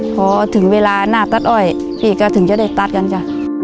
พอถึงเวลาหน้าตัดอ้อยพี่ก็ถึงจะได้ตัดกันจ้ะ